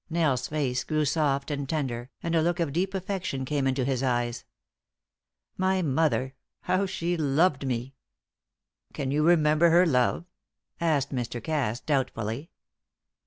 Nell's face grew soft and tender, and a look of deep affection came into his eyes. "My mother how she loved me!" "Can you remember her love?" asked Mr. Cass, doubtfully.